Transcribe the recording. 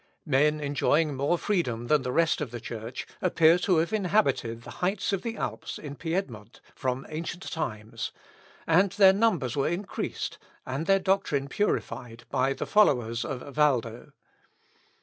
Men enjoying more freedom than the rest of the Church, appear to have inhabited the heights of the Alps in Piedmont from ancient times; and their numbers were increased, and their doctrine purified, by the followers of Valdo.